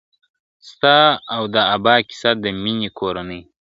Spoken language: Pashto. ستا او د ابا کیسه د میني، کورنۍ ..